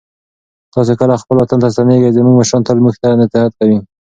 تاسې کله خپل وطن ته ستنېږئ؟ زموږ مشران تل موږ ته نصیحت کوي.